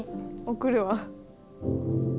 送るわ。